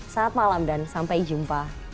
saat malam dan sampai jumpa